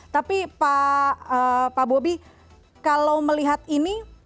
tapi pak bobi kalau melihat ini